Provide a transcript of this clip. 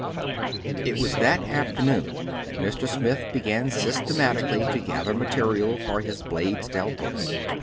It was that afternoon that Mr. Smith began systematically to gather material for his Blaisdell book.